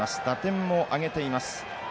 打点も挙げています。